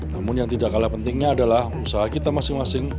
namun yang tidak kalah pentingnya adalah usaha kita masing masing